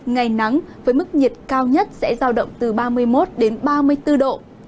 ngày nắng với mức nhiệt cao nhất sẽ giao động từ ba mươi một đến ba mươi bốn độ